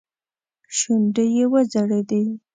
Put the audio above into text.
شونډې يې وځړېدې.